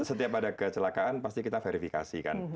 jadi setiap ada kecelakaan pasti kita verifikasi kan